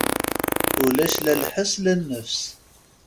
Ulac la lḥes la nnefs.